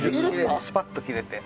スパッと切れて。